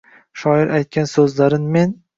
Shoir aytgan so’zlarin men